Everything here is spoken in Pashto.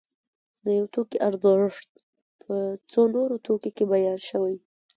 د یو توکي ارزښت په څو نورو توکو کې بیان شوی